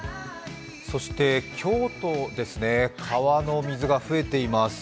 そして京都ですね、川の水が増えています。